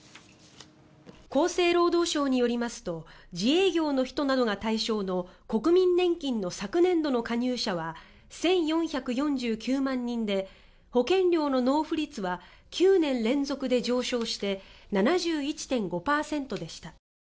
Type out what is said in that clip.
厚生労働省によりますと自営業の人などが対象の国民年金の昨年度の加入者は１４４９万人で保険料の納付率は９年連続で上昇して７１．５％でした。